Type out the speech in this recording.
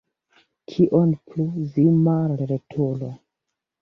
Kion plu, vi mallertulo!